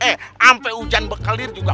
eh ampe hujan berkelir juga